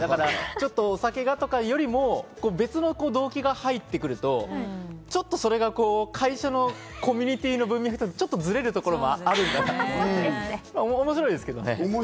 お酒がとかよりも別の動機が入ってくると、ちょっとそれが会社のコミュニティーの文脈とずれるところもあって、面白いですけどね。